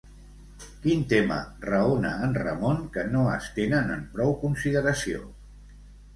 Quin tema raona en Ramon que no es tenen en prou consideració?